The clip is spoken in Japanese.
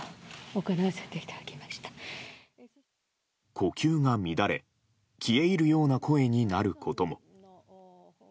呼吸が乱れ消え入るような声になることも。